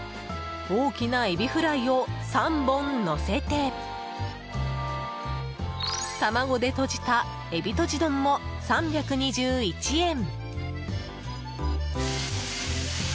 大きなエビフライを３本のせて卵でとじた海老とじ丼も３２１円。